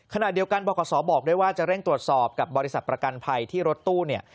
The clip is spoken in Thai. ขณะเดียวกันบขบอกด้วยว่าจะเร่งตรวจสอบกับบริษัทประกันภัยที่รถตู้เนี่ย